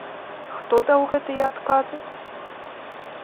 Хто даў гэтыя адказы?